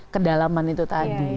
kedalaman itu tadi